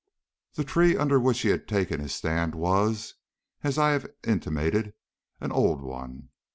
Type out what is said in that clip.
The tree under which he had taken his stand was, as I have intimated, an old one.